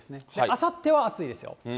あさっては暑いですよ。